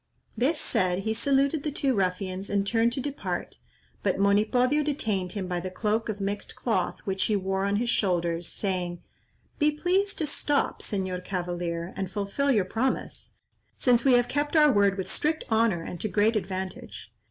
This said, he saluted the two ruffians and turned to depart, but Monipodio detained him by the cloak of mixed cloth which he wore on his shoulders, saying: "Be pleased to stop, Señor cavalier, and fulfil your promise, since we have kept our word with strict honour and to great advantage.